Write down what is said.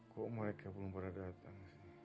kok mereka belum pernah datang